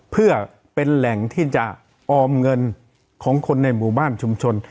เพื่อเป็นแหล่งที่จะออมเงินของคนในหมู่บ้านชุมชน